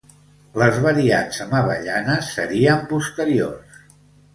Les variants amb avellanes serien posteriors.